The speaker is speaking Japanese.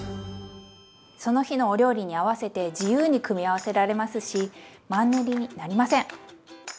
その日のお料理に合わせて自由に組み合わせられますしマンネリになりません！